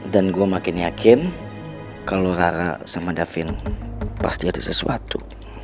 dan gue makin yakin kalo rara sama davin pasti ada sesuatu